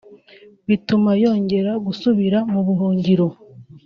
bituma yongera gusubira mu buhungiro